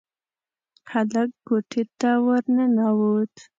هلک کوټې ته ورننوت.